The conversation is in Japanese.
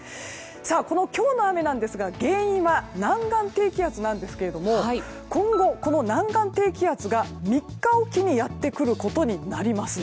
この今日の雨ですが原因は南岸低気圧なんですが今後、この南岸低気圧が３日おきにやってくることになります。